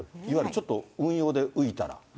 いわゆるちょっと運用で浮いたら。